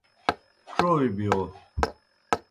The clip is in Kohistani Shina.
ڇوئے بِیو۔